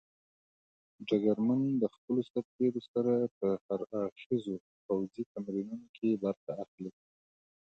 ډګرمن د خپلو سرتېرو سره په هر اړخيزو پوځي تمرینونو کې برخه اخلي.